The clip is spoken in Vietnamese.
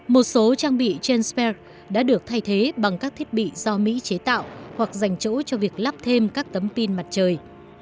một số trang bị trên spir đã được thay thế bằng các thiết bị do mỹ chế tạo hoặc dành chỗ cho việc lắp thêm các tấm pin mặt trời